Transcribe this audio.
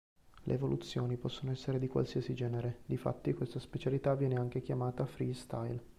Le evoluzioni possono essere di qualsiasi genere, difatti questa specialità viene anche chiamata "freestyle".